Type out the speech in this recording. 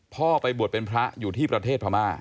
พ่อไปบวชเป็นพระอยู่ที่ประเทศพม่า